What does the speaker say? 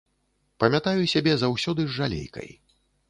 Памятаю сябе заўсёды з жалейкай.